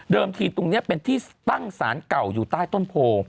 ทีตรงนี้เป็นที่ตั้งสารเก่าอยู่ใต้ต้นโพ